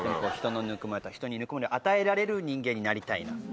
人のぬくもり人にぬくもりを与えられる人間になりたいな。